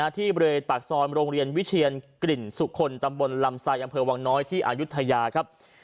ที่บริเวณปากซอยโรงเรียนวิเชียนกลิ่นสุคลตำบลลำไซดอำเภอวังน้อยที่อายุทยาครับ